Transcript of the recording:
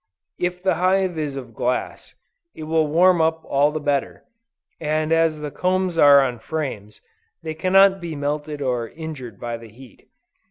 If the hive is of glass, it will warm up all the better, and as the combs are on frames, they cannot be melted or injured by the heat.